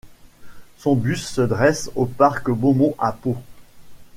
Son buste se dresse au parc Beaumont à Pau.